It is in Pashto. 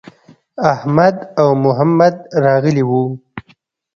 احمد او محمد راغلي وو.